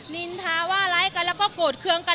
นินทาว่าร้ายกันแล้วก็โกรธเครื่องกัน